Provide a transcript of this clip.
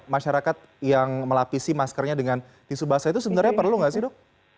masyarakat yang melapisi maskernya dengan tisu basah itu sebenarnya perlu nggak sih dok